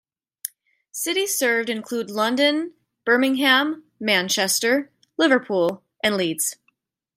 Cities served include London, Birmingham, Manchester, Liverpool and Leeds.